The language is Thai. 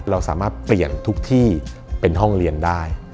เราสามารถเปลี่ยนทุกที่เป็นห้องเรียนได้